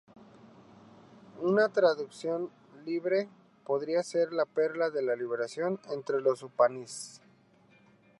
Una traducción libre podría ser ‘la perla de la liberación entre los "Upanishad"’.